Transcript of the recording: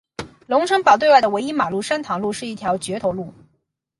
龙成堡对外的唯一马路山塘路是一条掘头路。